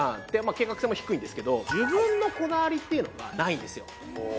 計画性も低いんですけど自分のこだわりっていうのがないんですよ